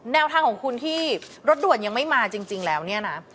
แนวทางของคุณที่รถด่วนยังไม่มาจริงแล้วเนี่ยนะ